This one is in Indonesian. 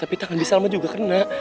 tapi tangan di salma juga kena